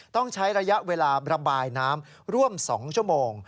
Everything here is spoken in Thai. ต้องใช้ระยะเวลาระบายน้ำร่วม๒ชั่วโมง